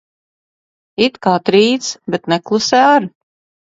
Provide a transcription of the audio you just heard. It kā trīc, bet neklusē ar.